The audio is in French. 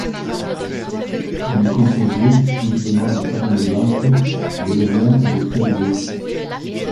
Elle est composée exclusivement de farine blanche, de levain, de sel et d'eau.